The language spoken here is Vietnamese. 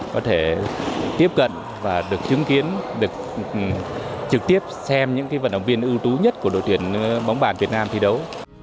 có thể tiếp cận và được chứng kiến được trực tiếp xem những vận động viên ưu tú nhất của đội tuyển bóng bàn việt nam thi đấu